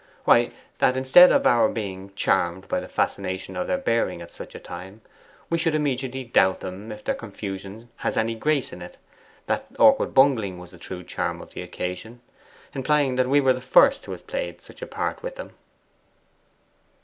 Why, that instead of our being charmed by the fascination of their bearing at such a time, we should immediately doubt them if their confusion has any GRACE in it that awkward bungling was the true charm of the occasion, implying that we are the first who has played such a part with them.